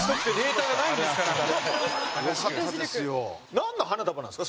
なんの花束なんですか？